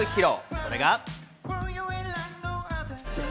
それが。